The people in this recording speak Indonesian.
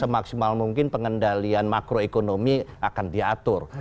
semaksimal mungkin pengendalian makroekonomi akan diatur